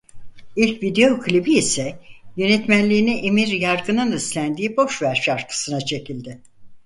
İlk video klibi ise yönetmenliğini Emir Yargın'ın üstlendiği "Boşver" şarkısına çekildi.